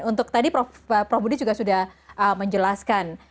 untuk tadi prof budi juga sudah menjelaskan